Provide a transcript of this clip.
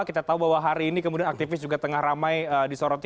kita tahu bahwa hari ini kemudian aktivis juga tengah ramai disoroti